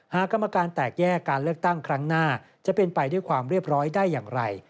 กรรมการแตกแยกการเลือกตั้งครั้งหน้าจะเป็นไปด้วยความเรียบร้อยได้อย่างไร